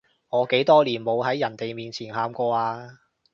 我幾多年冇喺人哋面前喊過啊